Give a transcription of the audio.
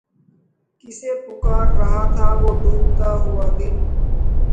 ﮐﺴﮯ ﭘﮑﺎﺭ ﺭﮨﺎ ﺗﮭﺎ ﻭﮦ ﮈﻭﺑﺘﺎ ﮨﻮﺍ ﺩﻥ